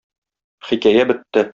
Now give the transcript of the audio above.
Хикәя бетте.